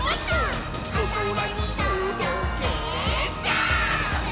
「おそらにとどけジャンプ！！」